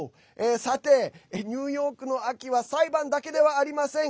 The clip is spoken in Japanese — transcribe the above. さて、ニューヨークの秋は裁判だけではありません。